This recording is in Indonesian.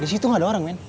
disitu gak ada orang men